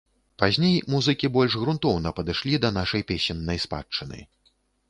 Пазней музыкі больш грунтоўна падышлі да нашай песеннай спадчыны.